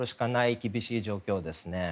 厳しい状況ですね。